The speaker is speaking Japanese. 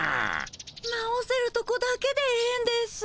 直せるとこだけでええんです。